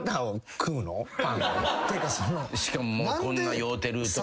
しかもこんな酔うてるときに。